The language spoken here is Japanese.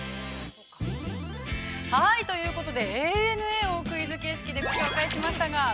◆はい、ということで、ＡＮＡをクイズ形式でご紹介しましたが。